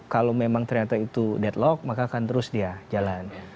kalau memang ternyata itu deadlock maka akan terus dia jalan